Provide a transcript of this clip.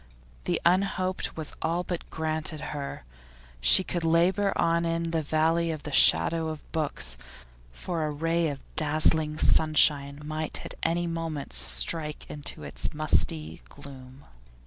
The unhoped was all but granted her. She could labour on in the valley of the shadow of books, for a ray of dazzling sunshine might at any moment strike into its musty gloom.